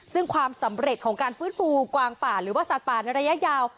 ซึ่งความสำเร็จของการฟื้นฟูกวางป่าหรือว่าสัตว์ป่าในระยะยาว